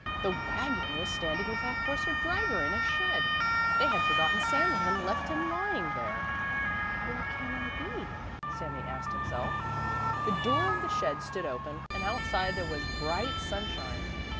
The wagon was standing without horse or driver in a shed; they had forgotten Sami and left him lying there. "Where can I be?" Sami asked himself. The door of the shed stood open, and outside there was bright sunshine.